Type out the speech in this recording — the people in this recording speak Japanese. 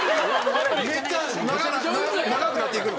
めっちゃ長く長くなっていくの？